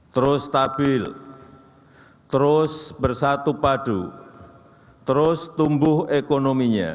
terus stabil terus bersatu padu terus tumbuh ekonominya